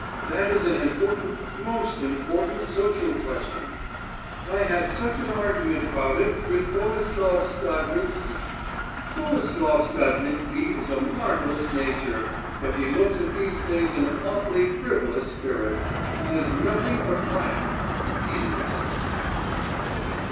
That is an important, most important social question. I had such an argument about it with Boleslav Stadnitsky. Boleslav Stadnitsky is a marvellous nature, but he looks at these things in an awfully frivolous spirit. He does nothing but laugh. Idiot!